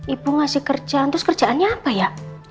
ibu ngasih kerja terus kerjaannya apa ya